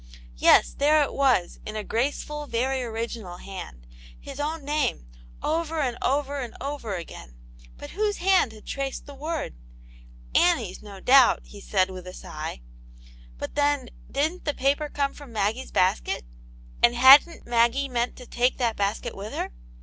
Yes, there it was, in a graceful, ^very original hand, his own name, over and over and over * again ; but whose hand had traced the word ? Annie's, no doubt, he said, with a sigh ; but then didn't the paper come from Maggie's basket, and hadn't Maggie meant to take that basket with her